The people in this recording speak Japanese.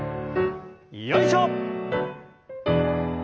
よいしょ！